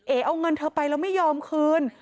เอเอาเงินเธอไปแล้วไม่ยอมคืน